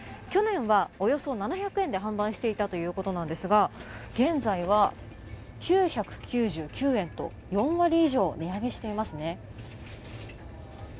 去年はおよそ７００円で販売していたということなんですが、現在は９９９円と、４割以上値上がりしていますね。